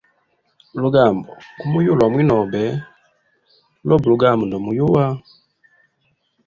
Lugambo gumuyuwa lwa mwinobe lobe lugambo ndomuyuwa.